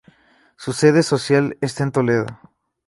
Su sede social está en Toledo.